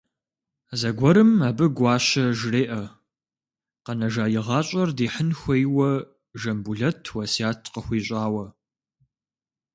Зэгуэрым абы Гуащэ жреӏэ, къэнэжа и гъащӏэр дихьын хуейуэ Жамбулэт уэсят къыхуищӏауэ.